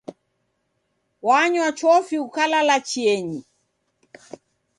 Wanywa chofi ukalala chienyi.